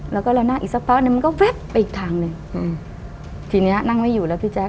แล้วก็เรานั่งอีกสักพักนึงมันก็แป๊บไปอีกทางหนึ่งอืมทีเนี้ยนั่งไม่อยู่แล้วพี่แจ๊